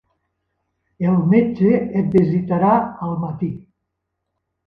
El metge et visitarà al matí.